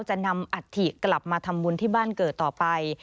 จะนำอัฐิกลับมาทำบุญที่บ้านเกิดต่อไป